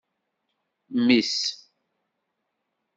Mmi-s.